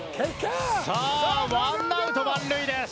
さあワンアウト満塁です。